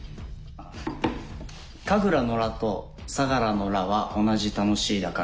神楽の「楽」と相楽の「楽」は同じ「楽しい」だから。